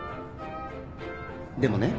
でもね